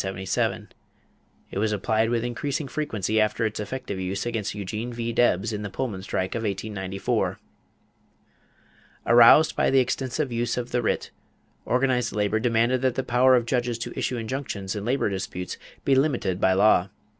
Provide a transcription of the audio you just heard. It was applied with increasing frequency after its effective use against Eugene V. Debs in the Pullman strike of 1894. Aroused by the extensive use of the writ, organized labor demanded that the power of judges to issue injunctions in labor disputes be limited by law.